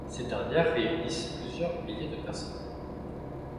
Ces dernières réunissent plusieurs milliers de personnes.